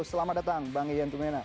selamat datang bang ijan tumena